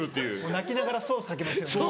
泣きながらソースかけますよね。